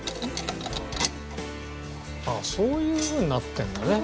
そういうふうになってるんだね。